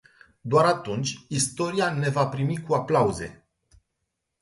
Doar atunci istoria ne va primi cu aplauze.